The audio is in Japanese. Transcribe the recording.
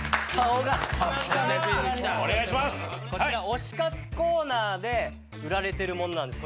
推し活コーナーで売られてるものなんですこちら。